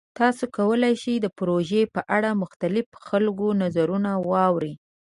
تاسو کولی شئ د پروژې په اړه د مختلفو خلکو نظرونه واورئ.